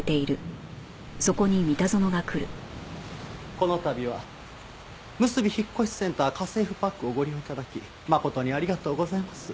この度はむすび引越センター家政婦パックをご利用頂き誠にありがとうございます。